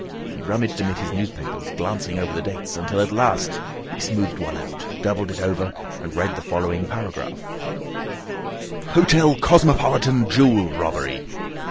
He rummaged amid his newspapers, glancing over the dates, until at last he smoothed one out, doubled it over, and read the following paragraph: "Hotel Cosmopolitan Jewel Robbery.